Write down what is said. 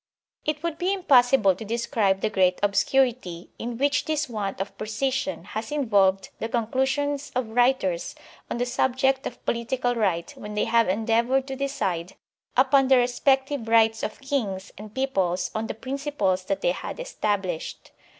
It would be impossible to describe the great obscur ity in which this want of precision has involved the con clusions of writers on the subject of political right when they have endeavored to decide upon the respec tive rights of kings and peoples on the principles that they had established.